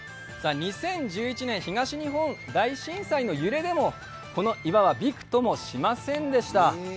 ２０１１年東日本大震災の揺れでも、この岩はびくともしませんでした。